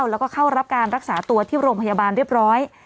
แล้วก็เข้ารับการรักษาตัวที่โรงพยาบาลเรียบร้อย